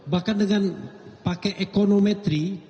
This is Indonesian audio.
bahkan dengan pakai ekonometri